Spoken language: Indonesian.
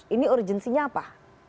ini urgensinya apa